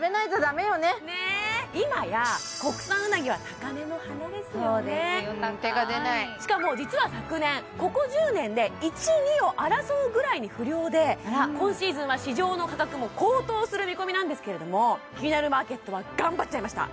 高い手が出ないしかも実は昨年ここ１０年で一二を争うぐらいに不漁で今シーズンは市場の価格も高騰する見込みなんですけれども「キニナルマーケット」は頑張っちゃいました